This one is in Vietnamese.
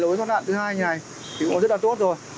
lối thoát nạn thứ hai như này thì cũng rất là tốt rồi